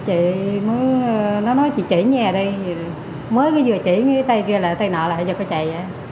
chị mới nó nói chị chỉ nhà đi mới vừa chỉ cái tay kia lại tay nọ lại giờ có chạy